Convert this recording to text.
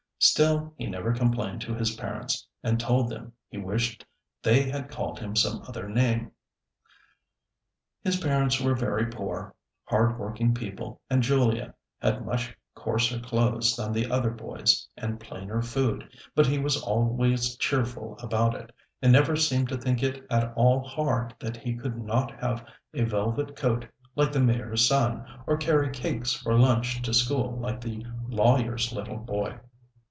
Still he never complained to his parents, and told them he wished they had called him some other name. His parents were very poor, hard working people, and Julia had much coarser clothes than the other boys, and plainer food, but he was always cheerful about it, and never seemed to think it at all hard that he could not have a velvet coat like the Mayor's son, or carry cakes for lunch to school like the lawyer's little boy.